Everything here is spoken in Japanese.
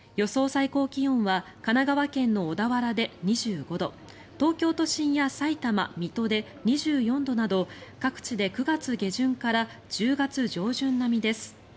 最高気温は神奈川県の小田原で２５度東京都心やさいたま、水戸で２４度など各地で９月下旬から１０月上旬並みです。